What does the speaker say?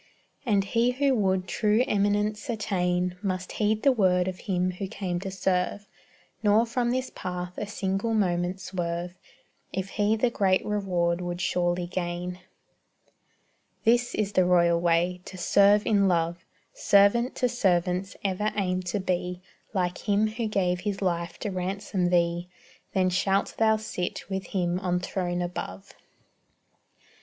And he who would true eminence attain Must heed the word of Him who came to serve, Nor from this path a single moment swerve, If he the great reward would surely gain. This is the royal way to serve in love Servant to servants ever aim to be Like Him who gave His life to ransom thee; Then shalt thou sit with Him on throne above.